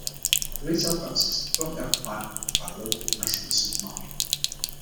The retail premises are currently occupied by the local Iceland supermarket.